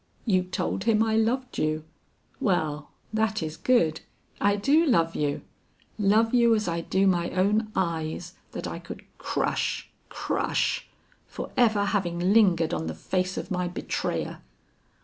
"You told him I loved you! Well, that is good; I do love you; love you as I do my own eyes that I could crush, crush, for ever having lingered on the face of my betrayer!"